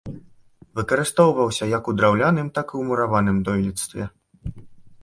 Выкарыстоўваўся як у драўляным, так і ў мураваным дойлідстве.